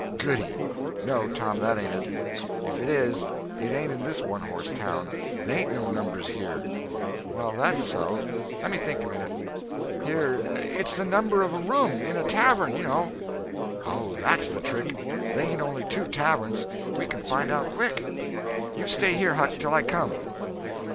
"Goody!... No, Tom, that ain't it. If it is, it ain't in this one horse town. They ain't no numbers here." "Well, that's so. Lemme think a minute. Here—it's the number of a room—in a tavern, you know!" "Oh, that's the trick! They ain't only two taverns. We can find out quick." "You stay here, Huck, till I come."